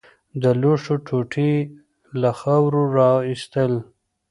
د لوښو ټوټې يې له خاورو راايستل.